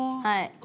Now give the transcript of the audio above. はい。